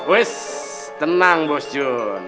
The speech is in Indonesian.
wis tenang bos jun